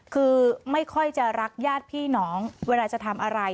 คือไม่ค่อยจะรักญาติพี่น้องเวลาจะทำอะไร